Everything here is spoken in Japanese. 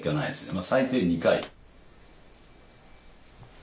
まあ最低２回。